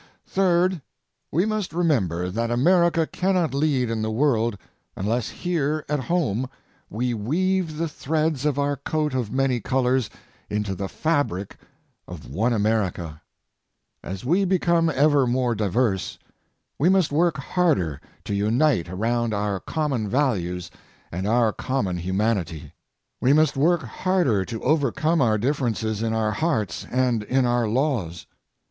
Third, we must remember that America cannot lead in the world unless here at home we weave the threads of our coat of many colors into the fabric of one America. As we become ever more diverse, we must work harder to unite around our common values and our common humanity. We must work harder to overcome our differences in our hearts and in our laws.